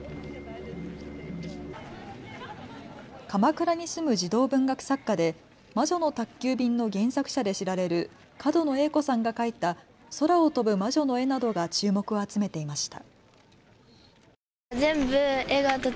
鎌倉に住む児童文学作家で魔女の宅急便の原作者で知られる角野栄子さんが描いた空を飛ぶ魔女の絵などが注目を集めていました。